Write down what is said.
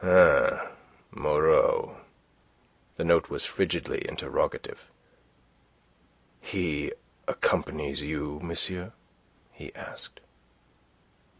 Ah, Moreau?" The note was frigidly interrogative. "He accompanies you, monsieur?" he asked.